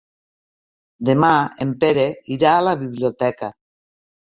Demà en Pere irà a la biblioteca.